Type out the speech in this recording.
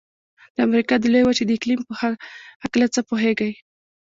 د امریکا د لویې وچې د اقلیم په هلکه څه پوهیږئ؟